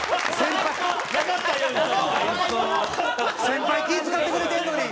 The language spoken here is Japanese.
先輩気ぃ使ってくれてるのに。